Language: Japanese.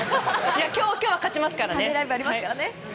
今日は勝ちますからね！